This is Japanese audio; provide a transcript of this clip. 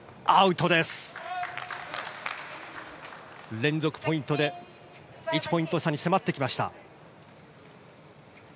連続ポイントで１ポイント差に迫ってきました。